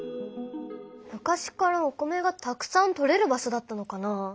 昔からお米がたくさんとれる場所だったのかな？